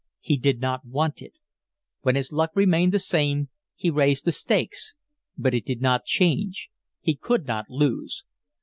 He did not want it. When his luck remained the same, he raised the stakes, but it did not change he could not lose.